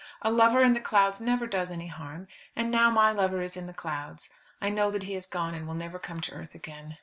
A lover in the clouds never does any harm, and now my lover is in the clouds. I know that he has gone, and will never come to earth again.